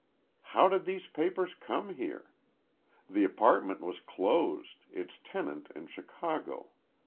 How did these papers come here? The apartment was closed, its tenant in Chicago.